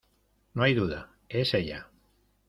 ¡ no hay duda, es ella!